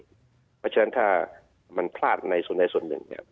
เพราะฉะนั้นถ้ามันพลาดในส่วนใดส่วนหนึ่งเนี่ย